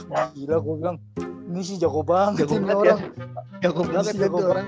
wah gila gua bilang ini sih jago banget ini orang